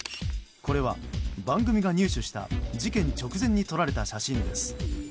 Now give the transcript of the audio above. これは番組が入手した事件直前に撮られた写真です。